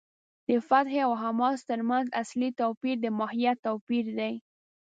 د فتح او حماس تر منځ اصلي توپیر د ماهیت توپیر دی.